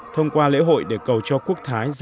thông qua lễ hội để cầu trọng